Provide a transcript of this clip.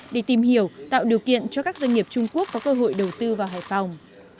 để tìm hiểu tạo điều kiện cho các doanh nghiệp trung quốc có cơ hội đầu tư vào hải phòng